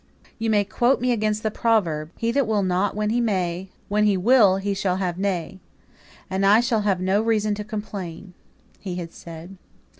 "You may quote against me the proverb, 'He that will not when he may, when he will he shall have nay.' And I shall have no reason to complain," he had said.